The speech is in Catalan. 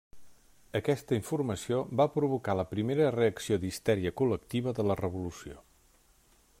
Aquesta informació va provocar la primera reacció d'histèria col·lectiva de la Revolució.